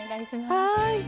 はい。